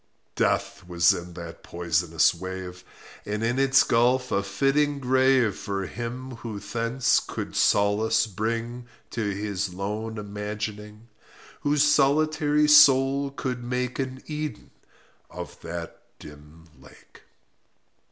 Death was in that poisonous wave, And in its gulf a fitting grave For him who thence could solace bring To his lone imagining— Whose solitary soul could make An Eden of that dim lake.